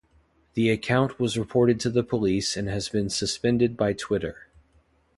The account was reported to the police and has been suspended by Twitter.